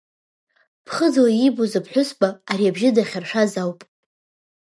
Ԥхыӡла иибоз аԥҳәызба ари абжьы дахьаршәаз ауп.